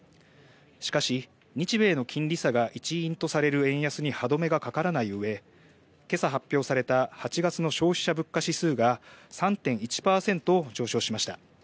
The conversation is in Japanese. しかし、日米の金利差が一因とされる円安に歯止めがかからないうえ今朝発表された８月の消費者物価指数が３．１％上昇しました。